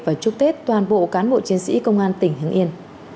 và chúc tết toàn bộ cán bộ chiến sĩ công an tỉnh hưng yên